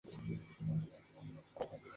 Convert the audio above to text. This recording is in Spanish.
Puck le revela a Quinn que estuvo con Shelby.